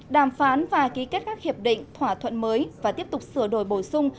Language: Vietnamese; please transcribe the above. đàm phán và ký kết các hiệp định thỏa thuận mới và tiếp tục sửa đổi bổ sung